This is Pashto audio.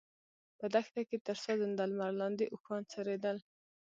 په دښته کې تر سوځنده لمر لاندې اوښان څرېدل.